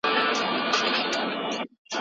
د چابهار بندر له لاري سوداګري روانه وه.